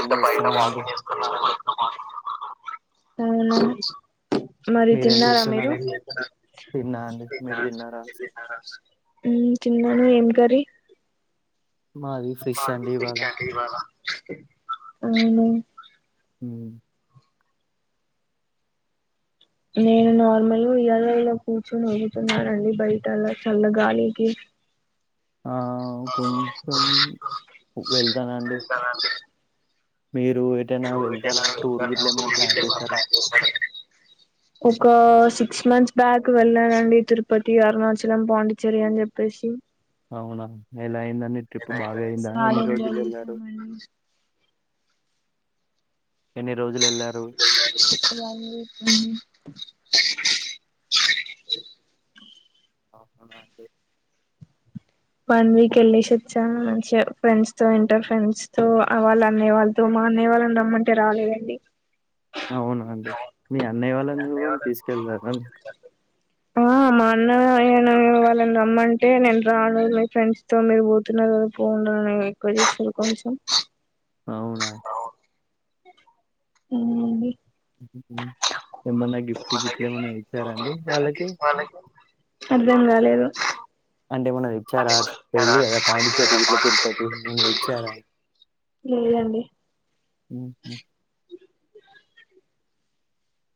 ఇ పలా చేస్తున్నా అండి వాస్తు అవున మరి మీరేం తిన్నారా మీరు చేస్తున్నారండి తిన్నా అండి మీరు తిన్నారా ఉ తిన్నాను ఏం గరి మాది ఫ్రెష్ మాది అండి ఇవాళ బిరకాయ్ అండి ఇవాళ అవున ఉ నేను నార్మల్ గా ఉద్యోగాల్లో ఇలా కూర్చుని ఊగుతున్నాను అండి బయట అలా చల్లగాలికి ఆ కొంచెం వెళ్తానండి మీరు ఎటైనా వెళ్తారా టూర్ గిట్లా ఏమైనా ప్లాన్ చేశారా ఒక సిక్స్ మంత్స్ బ్యాక్ వెళ్ళనండి తిరు పతి అరుణాచలం పాండ్డిచ్చెరి అని చెప్పేసి అవునా ఎలా అయిందండి ట్రిప్ బాగా అయిందా చాలా ఎన్ని రోజులు ఎంజాయ్ వెళ్లారు చేసామండి వన్ వీక్ అవునా అండి వన్ వీక్ వెళ్ళేసి వచ్చా మంచిగా ఫ్రెండ్స్ తో ఇంటర్ ఫ్రెండ్స్ తో వాళ్ళ అన్నయ్య వాళ్ళతో మా అన్నయ్య వాళ్ళని రమ్మంటే రాలేదండి అవున అండి మీ అన్నయ్య వాళ్ళని కూడం తీసుకెళ్తార అన్ అన్నాయ్య వాళ్ళని రమ్మంటే నేను రాన్ మీ ఫ్రెండ్స్ తో మీరు పోతున్నారు కదా పోండి అని ఎక్కువ చేసిర్రు కొంచెం అవునా అవునండి ఏమన్నా గిఫ్ట్ గిట్లు ఏమన్నా తెచ్చరా అండి వాళ్ళకి అర్థం కాలేదు అంటే ఏమన్నా తేచ్చార పోఇల్లు కదా పాంద్దిచ్చేరి గిట్ల తిరుపతి ఏమన్నా తేచ్చార లేదండి హ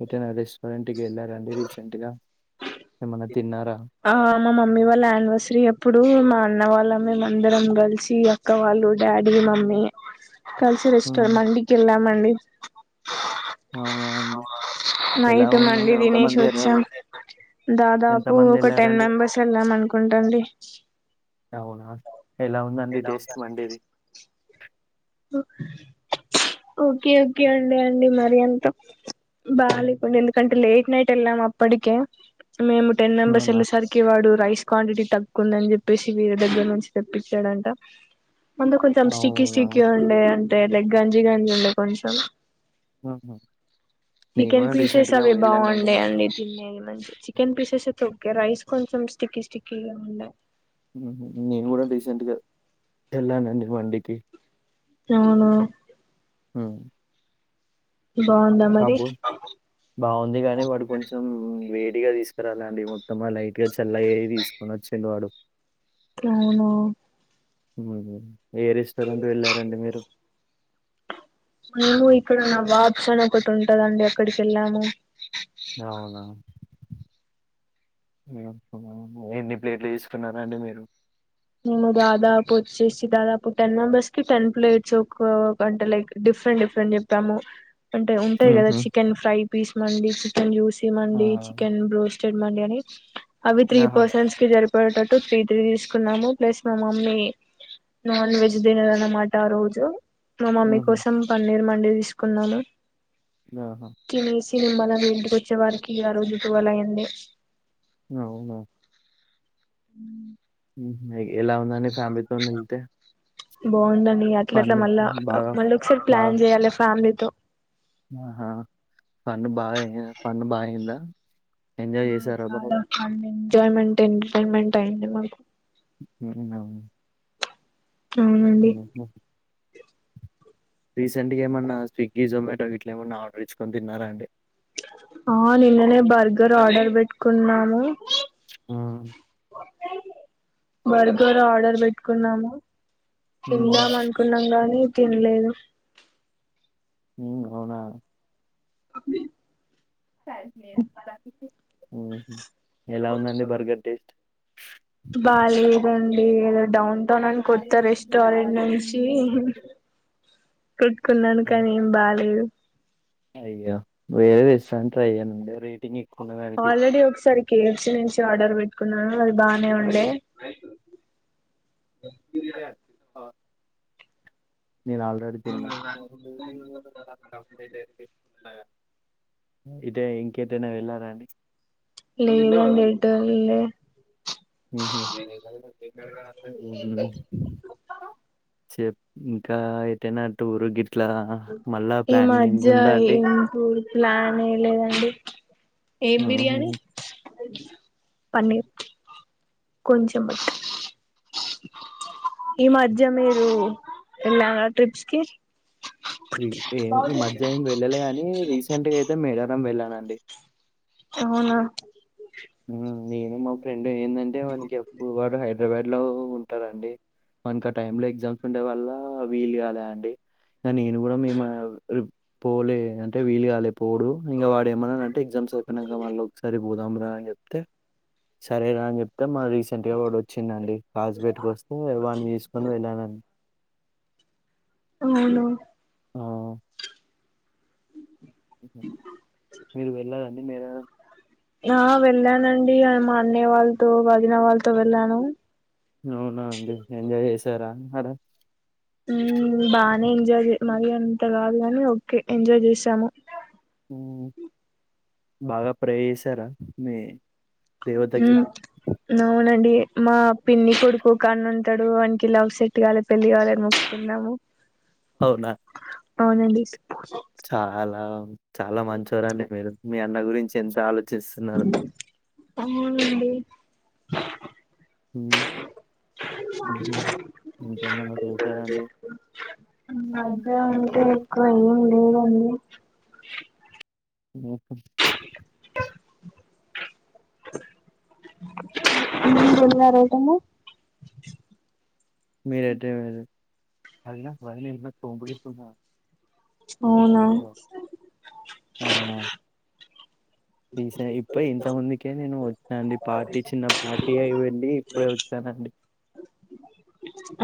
ఏటైనా రెస్టరెంట్ టికీ వెళ్ళారా అండి రీసెంట్గా ఆ మా మమ్మీ వాళ్ళ యానివర్సరీ అప్పుడు మా అన్న వాళ్ళం మేం అందరం కలిసి అక్క వాళ్ళు డాడీ మమ్మీ కలిసిరెస్ట్ మ్మ్. మండికెల్లం నండి. అవునా అండి ఎలా నైట్ ఉందండి మండి ఎంతమంది వెళ్ళారు దినేషొచ్చాం. దాదాపు ఎంతమంది ఒక టెన్ వెళ్ళారండి మెంబెర్స్ వెళ్ళాం అనుకుంటాండి. అవ్ నా ఎలా ఉందండి టేస్ట్ మండేది. ఓకే ఓకే అండి అండి మరి అంత బాగా లేకుండే ఎందుకంటే లేట్ నైట్ వెళ్ళాం అప్పటికే మేము టెన్ మెంబర్స్ అవునా వెళ్ళే సరికిే వాడు రైస్ క్వాంటిటీ తక్కువందని చెప్పేసి వేరే దగ్గరి నుంచి తెప్పించాడంట ముందు కొంచెం స్టిక్కి అవునా స్టిక్ క్యూ అండి ే లైక్ గంజి గంజి ఉండే కొంచెం మ్మ్. నేను చికెన్ కూడా రీసెంట్ పీసెస్ గా అవి వెళ్ళానండి బాగుండే మండి అండి తినేది మంచి చికెన్ పీసెస్ సో కే రైస్ కొంచం స్టిక్కి స్టిక్కిగ ఉండె నేను కూడా రీసెంట్ గ వెళ్ళానండి వండికి నౌను హు బాగుందా మరి కాబొ బావుంది గానీ వాడు కొంచెం వే టిగ తీసుకురాలండి మొత్తమ లై ట్ గ చల్లయ్ ఏవి తీసుకొనొచ్చెండు వాడు. నౌవును [inaudible] ఏ రెస్టారెంట్ వెళ్ళారండి మీరు మేము ఇక్కడ నా బాబ్స్ అని ఒకటి ఉంటదండి అక్కడికి ఎళ్ళాము. అవునా? ఎన్ని ప్లేట్లు ఎసుకున్నారండి మీరు. మేము దాదాపొచ్చేసి దాదాపు టెన్ మెంబర్స్ కి టెన్ ప్లేట్స్ ఓక, పంటలేకి డిఫ్ రెంట్ డిఫరెంట్ చెప్పాము. అంటే ఉంటాయి కదా హుహు. చికెన్ ఫ్రై పీస్ మండి, చికెన్ యుసీ ఆ! మండి, చికెన్ బ్రోస్టెడ్ మండి అని అవి త్రీ ఆహా! పర్సన్స్ కి జరిప్ పటాటు త్రీ త్రీ ఇస్ కున్నాము ప్లస్ మా మమ్మీ, నాన్ వెజ్ దినరనమాట ఆ రోజు మా మమ్మీ హుహు. కోసం పన్నీర్ మ మండే తీసుకున్నాలు. నాహా తిన్ మాలన్ని ఇంటికి వచ్చే వరికి ఆ రొజు టువలయింది. నౌన ఉ మ్ మాగి ఎలా ఉందండి ఫ్యామిలీతోని ఎళ్తే బాగుందన్ అట్లా ఫన్ అట్లా మళ్ బాగా మళ్ళ ఒకసారి ప్లాన్ చేయాలి ఫ్యాలీ తొ నాహా ఫన్ బా ఎం ఫన్ బా అయ్యింద అ చాలా హండింగ్ ఎంజాయ్ మెంటెన్, టెన్ మైంటెన్ అయింది మాకు నన్నవ్. నౌనండి. రీసెంట్ గా ఏమన్నా స్విగ్గీ, జొమాటో వీట్లెమన్నా ఆర్డర్ ఇచ్చ్కొని తిన్నారా అండి. ఆ నిన్ననే బర్గర్ ఆర్డర్ పెట్ట్కున్నాము. ఉ బర్గర్ ఆర్డర్ పెట్ట్కున్నాము. హ్మ్. తిందాం అనుకున్నాం గాని తిన్లే ఉమ్ అవునా అండి ఎలా ఉందండి బర్గర్ టేస్ట్ ఏల డౌన్ టౌన్ అని కొత్త రెస్టారెంట్ నుంచి పెట్టుకున్నాను కానీ ఎం బాలేేదు అయ్యో అస్తముకే [unintelligible] రేటింగ్ ఎక్కువ ఉన్న దానికి ఆల్రెడీ ఒకసారి కేఎఫ్సి నుంచి ఆర్డర్ పెట్టుకున్నా అది బానే ఉండే [inaudible] నేను ఆల్రెడీ తిన్నా ఇదే ఇంకేటైన వెళ్ళార అండి లెదండి టూ వీలర్ ఉహుం [inaudible] చెప్ ఇంకా ఏటైనా టూరు గి ఈ మధ్య అండి ఎంటూరు ప్లానే లేదండి ఏం బిర్యానీ మ్మ్. పన్నీర్ కొంచెం ఈ మధ్య మీరు వెళ్ళార ట్రిప్స్ కి ఈ మధ్య ఎం వెళ్ళాలేగాని రీసెంట్ గా అయితే మేడారం వెళ్ళన అండి అవున [unintelligible] నేను మా ఫ్రె డే ఏందంటే వానికి [unintelligible] రివెడ్ లో ఉంటారండి మనకు ఆ టైమ్ లో ఎగ్జామ్స్ ఉండే వల్ల వీలు కాలే అండి. అ నేను కూడ మేమ పోలే అంటే వీలు కాలే, పోడు ఇంగ వాడు ఏమన్నాడంటే ఎగ్జామ్స్ అయిపోయ్యినంక మళ్ళ ఒకసారి పోదాంరా అన్ తే చాలా రా అని చెప్ అ మన రీసెంట్ గా వా వచ్చిందండి కాజపేటకి వస్తే వాని తీసుకొని వెళ్ళానని అవునా ఆ మేరా ఆ వెళ్ళానండి మా అన్నయ్య వాళ్ళతో ఒదిన వాళ్లతో వెళ్ళాను అవున అండి ఎంజాయ్ చేసారా అడ బానే ఎంజాయ్ మరి అంత కాదుగాని ఒకే ఎంజాయ్ చేసాము బాగా ప్రే చేసారా మీ దేవతకి? హ్మ్ నవ్వునండి మా పిన్ని కొడుకు ఒకన్ను ఉంటడు వానికి లవ్ సెట్ గాల్ల పెళ్ళి గాల్లని మొక్కున్నము. అవున అవునండి చాలా చాలా మంచివోరండి మీరు మీ అన్న గురించి ఎంత ఆలో అవునండి హ్మ్. హుహు. ఇంకేమన్నా చేశారండి? మధ్యగా అంటే లడ్డాంటే ఎక్కువ ఏం లేదండి వెల్ కమ్ మీరు వెళ్లినారేంటండి మీరెటెమైర్రు అవునా అవునా ఈ స ఇప్పు ఇంత ముందుకే నేను వచ్చినా అండి పార్టీ చిన్న పార్టీ అయి వెళ్ళి ఇప్పుడే వచ్చానండి.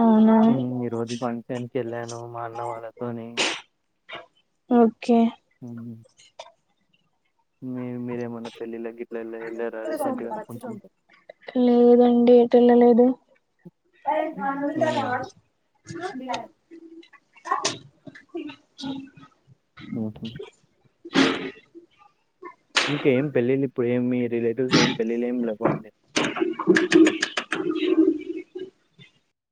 అవునా మ్మ్ ఈ రోజు ఫంక్షన్ కెళ్ళాను మా అన్న వాళ్ళతోని మ్మ్ ఓకే మీరు మీరేమన్నా పెళ్ళిళ్ళకి గిట్లా వెళ్ళ వెళ్ళారా రీసెంట్ గా కొంచెం లేదండి ఎటు వెళ్ళలేదు మ్మ్. మ్మ్ హ్మ్ మీకేం పెళ్ళిళ్ళు ఇప్పుడేం మీ రిలేటివ్స్ ఏం పెళ్ళిల్ ఏం లెవ్వఅండి